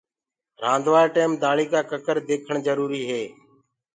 رآندوآ ٽيم دآݪي ڪآ ڪڪر ديکڻ جروري هي۔